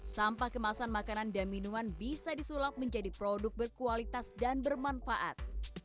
sampah kemasan makanan dan minuman bisa disulap menjadi produk berkualitas dan bermanfaat